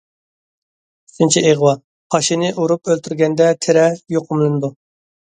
ئۈچىنچى ئىغۋا: پاشىنى ئۇرۇپ ئۆلتۈرگەندە، تېرە يۇقۇملىنىدۇ.